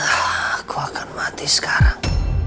aku akan mati sekarang